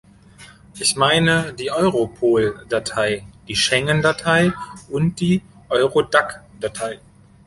Ich meine die Europol-Datei, die Schengen-Datei und die Eurodac-Datei.